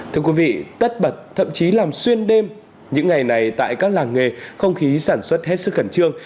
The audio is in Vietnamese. thưa quý vị tất bật thậm chí làm xuyên đêm những ngày này tại các làng nghề không khí sản xuất hết sức khẩn trương